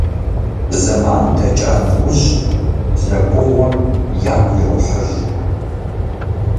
Зэман дэкӀа нэужь, зэгугъур ягу ирохьыж.